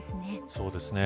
そうですね。